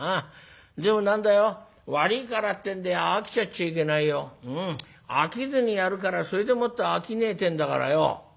でも何だよ悪いからってんで飽きちゃっちゃいけないよ。飽きずにやるからそれでもって商いってんだからよ」。